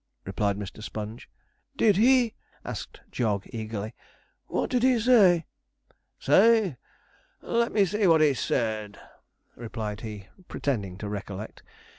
replied Mr. Sponge. 'Did he?' asked Jog eagerly. 'What did he say?' 'Say let me see what he said,' replied he, pretending to recollect.'